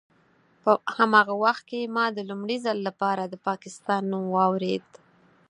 په هماغه وخت کې ما د لومړي ځل لپاره د پاکستان نوم واورېد.